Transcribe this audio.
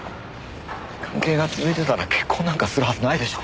関係が続いてたら結婚なんかするはずないでしょ。